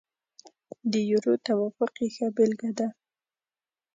د یورو توافق یې ښه بېلګه ده.